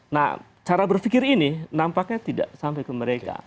nah cara berpikir ini nampaknya tidak sampai ke mereka